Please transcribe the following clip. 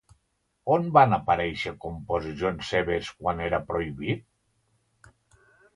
On van aparèixer composicions seves quan era prohibit?